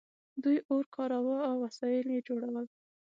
دوی اور کاراوه او وسایل یې جوړول.